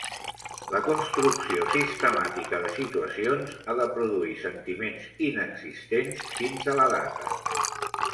La construcció sistemàtica de situacions ha de produir sentiments inexistents fins a la data.